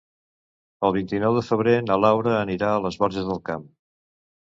El vint-i-nou de febrer na Laura anirà a les Borges del Camp.